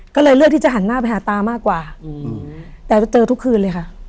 ก็เลยเลือกที่จะหันหน้าไปหาตามากกว่าแต่จะเจอทุกคืนเลยค่ะ